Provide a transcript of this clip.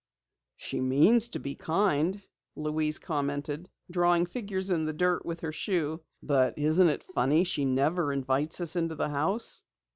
"She means to be kind," Louise commented, drawing figures in the dirt with her shoe. "But isn't it funny she never invites us into the house?"